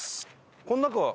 この中は？